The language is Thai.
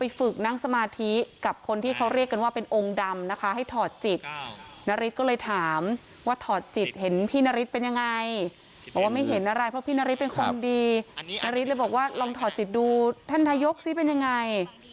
ฝึกนั่งสมาธิกับคนที่เขาเรียกกันว่าเป็นองค์ดำนะคะให้ถอดจิตนาริสก็เลยถามว่าถอดจิตเห็นพี่นาริสเป็นยังไงบอกว่าไม่เห็นอะไรเพราะพี่นาริสเป็นคนดีนาริสเลยบอกว่าลองถอดจิตดูท่านนายกสิเป็นยังไง